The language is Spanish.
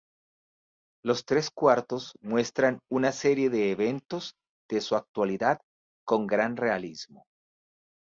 Los tres cuartos muestran una serie de eventos de su actualidad con gran realismo.